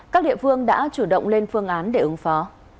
các địa phương đã chủ động lên phương án để ứng phó